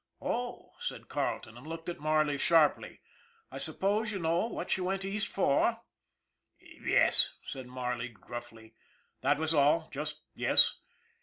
" Oh !" said Carleton, and looked at Marley sharply, " I suppose you know what she went East for? " "Yes," said Marley gruffly. That was all just " yes."